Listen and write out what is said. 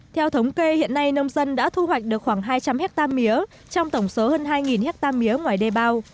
theo thống kê hiện nay nông dân đã thu hoạch được khoảng hai trăm linh hectare mía trong tổng số hơn hai hectare mía ngoài đê bao